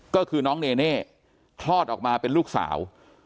ก็คือน้องเนเน่คลอดออกมาเป็นลูกสาว